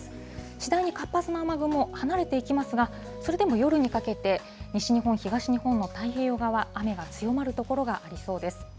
次第に活発な雨雲、離れていきますが、それでも夜にかけて西日本、東日本の太平洋側、雨が強まる所がありそうです。